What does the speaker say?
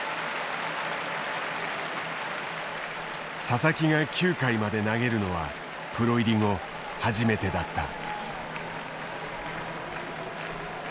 佐々木が９回まで投げるのはプロ入り後初めてだった。